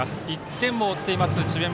１点を追っています智弁